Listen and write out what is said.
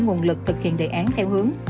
nguồn lực thực hiện đề án theo hướng